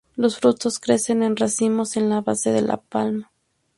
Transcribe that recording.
Los frutos crecen en racimos en la base de la palma.